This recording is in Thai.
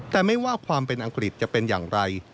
แต่ไม่ว่าความเป็นอังกฤษจะเป็นอย่างไร